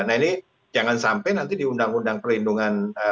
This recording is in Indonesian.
nah ini jangan sampai nanti di undang undang perlindungan